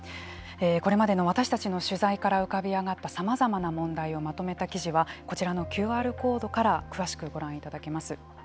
これまでの私たちの取材から浮かび上がったさまざまな問題をまとめた記事はこちらのＱＲコードから詳しくご覧いただけます。